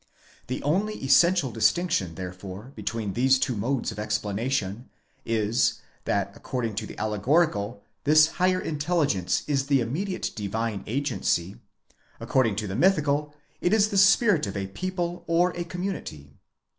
The only essential distinction therefore between these two modes of explana tion is, that according to the allegorical this higher intelligence is the imme diate divine agency ; according to the mythical, it is the spirit of a people ora community.